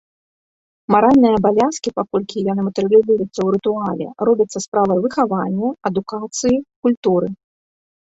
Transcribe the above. Маральныя абавязкі, паколькі яны матэрыялізуюцца ў рытуале, робяцца справай выхаванні, адукацыі, культуры.